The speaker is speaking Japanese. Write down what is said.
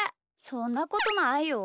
そんなことないよ。